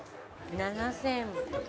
７，０００。